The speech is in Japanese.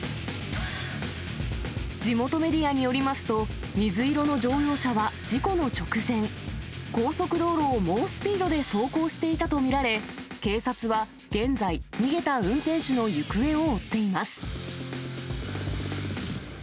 地元メディアによりますと、水色の乗用車は、事故の直前、高速道路を猛スピードで走行していたと見られ、警察は現在、逃げた運転手の行方を追っています。